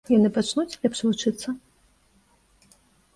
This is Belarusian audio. Яны пачнуць лепш вучыцца?